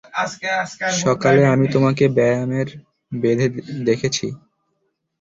সকালে আমি তোমাকে ব্যায়ামের বেঁধে দেখেছি।